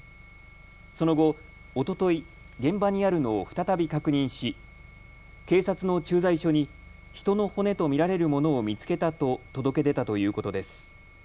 その後、おととい現場にあるのを再び確認し警察の駐在所に人の骨と見られるものを見つけたと届け出たということです。